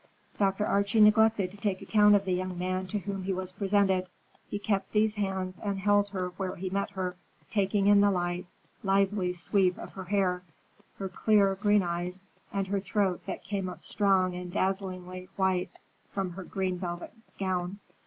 Dr. Archie neglected to take account of the young man to whom he was presented. He kept Thea's hands and held her where he met her, taking in the light, lively sweep of her hair, her clear green eyes and her throat that came up strong and dazzlingly white from her green velvet gown.